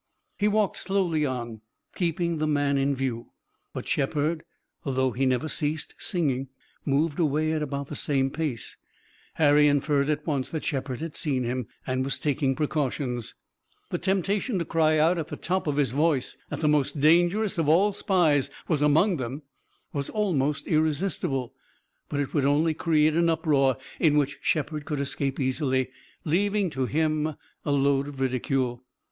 He walked slowly on, keeping the man in view, but Shepard, although he never ceased singing, moved away at about the same pace. Harry inferred at once that Shepard had seen him and was taking precautions. The temptation to cry out at the top of his voice that the most dangerous of all spies was among them was almost irresistible, but it would only create an uproar in which Shepard could escape easily, leaving to him a load of ridicule.